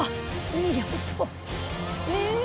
いい音ええ！